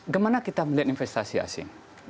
gimana kita melihat investasi asing